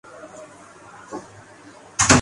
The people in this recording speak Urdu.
پولیس پہ بھی رونا ہے۔